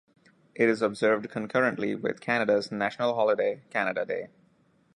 It is observed concurrently with Canada's national holiday, Canada Day.